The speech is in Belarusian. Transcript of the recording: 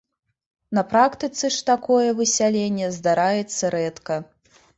На практыцы ж такое высяленне здараецца рэдка.